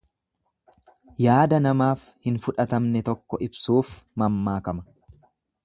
Yaada namaaf hin fudhatamne tokko ibsuuf mammaakama.